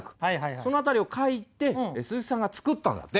そのあたりを書いて鈴木さんが作ったんだって。